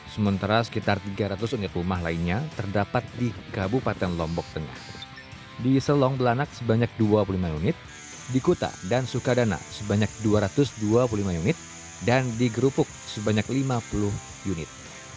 sementara sekitar tiga ratus unit rumah lainnya terdapat di kabupaten lombok tengah di selong belanak sebanyak dua puluh lima unit di kuta dan sukadana sebanyak dua ratus dua puluh lima unit dan digerupuk sebanyak lima puluh unit